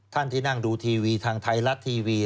ที่นั่งดูทีวีทางไทยรัฐทีวี